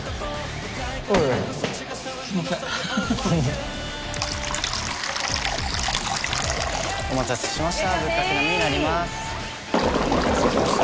あいよ！お待たせしました。